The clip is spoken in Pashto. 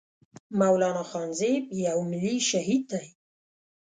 مولانا خانزيب يو ملي شهيد دی